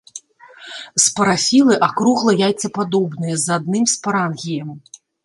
Спарафілы акругла-яйцападобныя, з адным спарангіем.